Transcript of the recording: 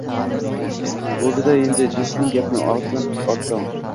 Bo`ldi-da endi, Jessining gapini og`zidan oldi Tom